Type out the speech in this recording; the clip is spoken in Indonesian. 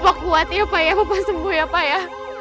bapak kuat ya pak ya bapak sembuh ya pak ya